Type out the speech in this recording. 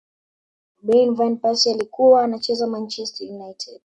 robin van persie alikuwa anacheza manchester united